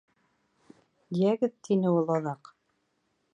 — Йәгеҙ, — тине ул аҙаҡ.